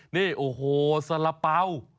นี่โอ้โหสละเป๋า